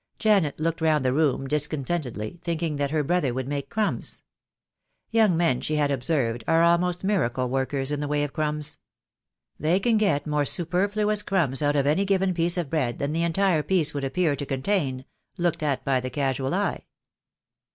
Janet looked round the room discontentedly, thinking that her brother would make crumbs. Young men she had ob served, are almost miracle workers in the way of crumbs. I'hey can get more superfluous crumbs out of any given piece of bread than the entire piece would appear to contain, looked at by the casual eye.